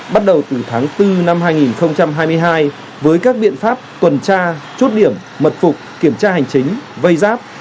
bắt đầu từ tháng bốn năm hai nghìn hai mươi hai với các biện pháp tuần tra chốt điểm mật phục kiểm tra hành chính vây giáp